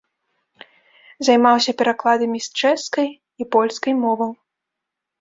Займаўся перакладамі з чэшскай і польскай моваў.